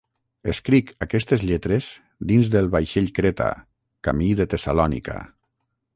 Escric aquestes lletres dins del vaixell Creta, camí de Tessalònica.